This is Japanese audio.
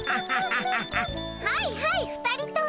はいはい２人とも。